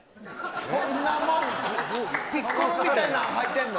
そんなピッコロみたいな履いてんの。